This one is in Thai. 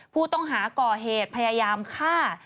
ผู้ต้องหาก่อเหตุพยายามฆ่า